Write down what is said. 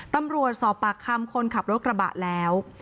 ตำรวจสอบปากคำคนขับรถกระบะแล้ว